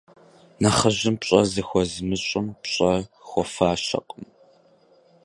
А вы, Долли?